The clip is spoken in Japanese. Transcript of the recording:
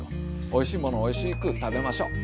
おいしいものをおいしく食べましょう。